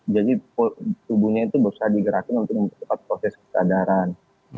jadi tubuhnya itu berusaha digerakin untuk mempercepat proses kecederan